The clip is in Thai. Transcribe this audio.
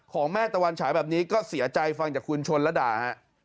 แม่ตะวันฉายแบบนี้ก็เสียใจฟังจากคุณชนระดาฮะ